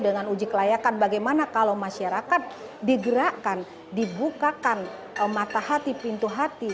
dengan uji kelayakan bagaimana kalau masyarakat digerakkan dibukakan mata hati pintu hati